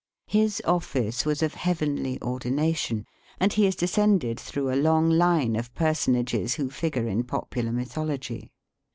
His office was of heavenly ordination ; and he is descended through a long line of personages who figure in popular mythology.